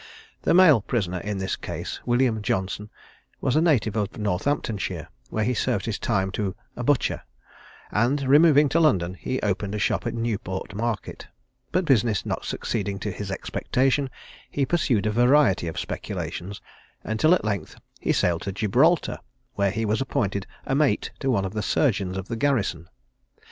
The male prisoner in this case, William Johnson, was a native of Northamptonshire, where he served his time to a butcher, and, removing to London, he opened a shop in Newport Market; but business not succeeding to his expectation, he pursued a variety of speculations, until at length he sailed to Gibraltar, where he was appointed a mate to one of the surgeons of the garrison.